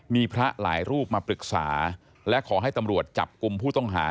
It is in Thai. มีพระหลายรูปมาปรึกษาและขอให้ตำรวจจับกลุ่มผู้ต้องหา